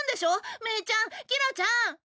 メイちゃんキラちゃん。